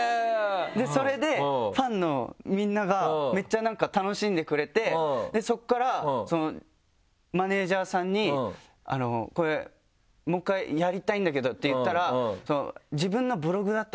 それでファンのみんながめっちゃなんか楽しんでくれてそこからマネージャーさんに「これもう１回やりたいんだけど」って言ったら。